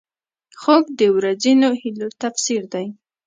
خوب د ورځنیو هیلو تفسیر دی